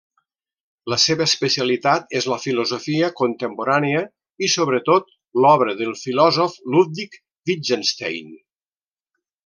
La seva especialitat és la filosofia contemporània, i sobretot l'obra del filòsof Ludwig Wittgenstein.